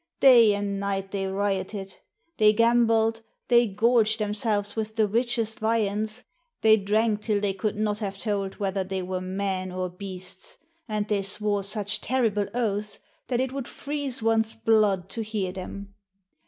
Day and night they rioted. They gambled, they gorged themselves with the richest viands, they drank till they could not have told whether they were men or beasts, and they swore such terrible oaths that it would freeze one's blood to hear them.